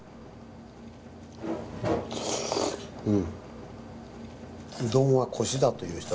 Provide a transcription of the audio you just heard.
うん。